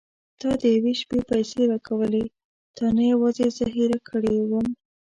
تا د یوې شپې پيسې راکولې تا نه یوازې زه هېره کړې وم.